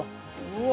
うわ！